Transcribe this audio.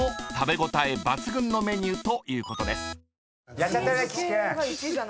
やっちゃったね岸君。